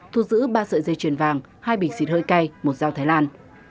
thu giữ ba sợi dây chuyền vàng hai bình xịt hơi cay một dao thái lan